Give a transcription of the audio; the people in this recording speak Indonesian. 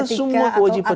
atau semua kewajipan